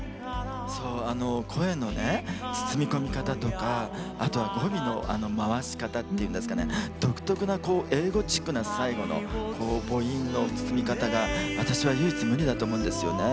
声の包み込み方とかあとは語尾の回し方っていうんですかね独特な英語チックの最後の母音の包み方が私は唯一無二だと思うんですよね。